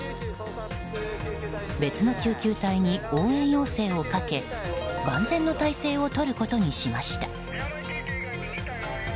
別の救急隊に応援要請をかけ万全の体制をとることにしました。